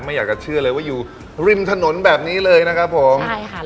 อยากจะเชื่อเลยว่าอยู่ริมถนนแบบนี้เลยนะครับผมใช่ค่ะ